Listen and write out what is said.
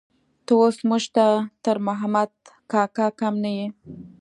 ته اوس موږ ته تر محمد کاکا کم نه يې.